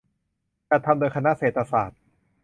จัดทำโดยคณะเศรษฐศาสตร์